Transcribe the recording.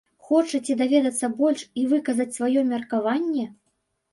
Хочаце даведацца больш і выказаць сваё меркаванне?